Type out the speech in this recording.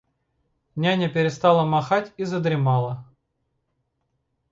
Няня перестала махать и задремала.